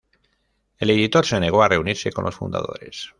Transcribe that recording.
El editor se negó a reunirse con los fundadores.